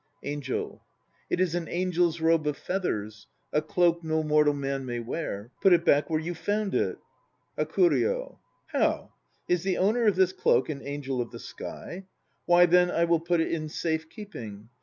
ANGEL It is an angel's robe of feathers, a cloak no mortal man may wear. Put it back where you found it. HAKURYO. How? Is the owner of this cloak an angel of the sky? Why, tin MI. I will put it in safe keeping.